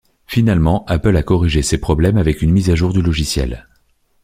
Finalement, Apple a corrigé ces problèmes avec une mise à jour du logiciel.